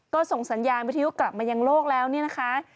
ก็ส่งสัญญาณวิทยุกลับมายังโลกแล้วเนี่ยนะคะ